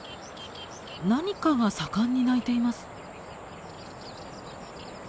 何かが盛んに鳴いています。